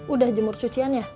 udah jemur cucian ya